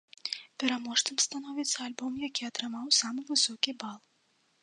Пераможцам становіцца альбом, які атрымаў самы высокі бал.